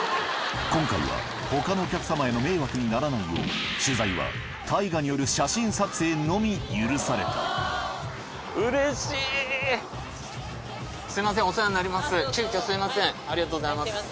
今回は他のお客様への迷惑にならないよう取材はＴＡＩＧＡによる写真撮影のみ許された急きょすいませんありがとうございます。